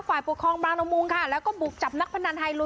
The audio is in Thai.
ฝ่ายปกครองบางละมุงค่ะแล้วก็บุกจับนักพนันไฮลู